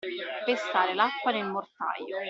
Pestare l'acqua nel mortaio.